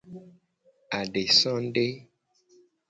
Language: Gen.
Adesade.